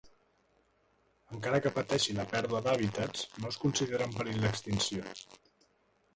Encara que pateixi la pèrdua d'hàbitats, no es considera en perill d'extinció.